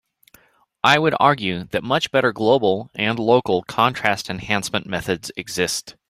I would argue that much better global and local contrast enhancement methods exist.